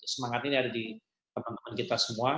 semangat ini ada di teman teman kita semua